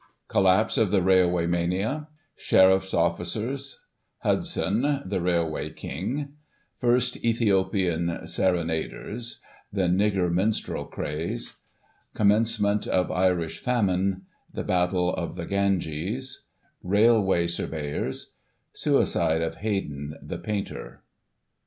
Collapse of the Railway Mania — Sheriff's Officers — Hudson, the Railway King — First " Ethiopian Serenaders "— The Nigger Minstrel Craze — Commence ment of Irish Famine — "The Battle of the Gauges "— Railway Surveyors — Suicide of Haydon, the painter.